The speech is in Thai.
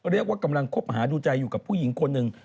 เรียกว่ากำลังคบหาดูใจอยู่กับผู้หญิงคนหนึ่ง